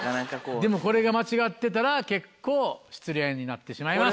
でもこれが間違ってたら結構失礼になってしまいます。